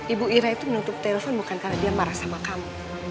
ibu ira itu menutup telepon bukan karena dia marah sama kamu